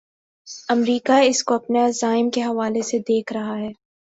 امریکہ اس کو اپنے عزائم کے حوالے سے دیکھ رہا ہے۔